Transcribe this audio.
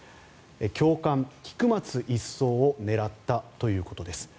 教官、菊松１曹を狙ったということです。